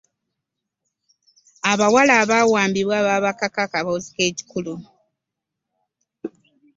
Abawala abaawambibwa baabakaka akaboozi k'ekikulu.